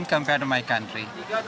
apa yang anda cari